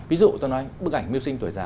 ví dụ tôi nói bức ảnh mưu sinh tuổi già